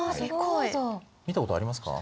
見たことありますか？